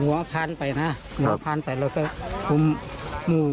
พอวัวไปกินหญ้าอะไรเสร็จเรียบร้อยเสร็จเรียบร้อย